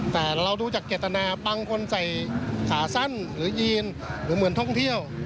แต่เราดูจากเจตนาบางคนใส่ขาสั้นหรือยีนหรือเหมือนท่องเที่ยว